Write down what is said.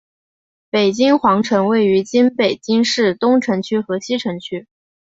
北京皇城位于今北京市东城区和西城区。